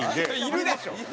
いるでしょ！